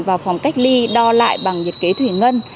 vào phòng cách ly đo lại bằng nhiệt kế thủy ngân